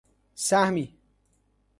سهمی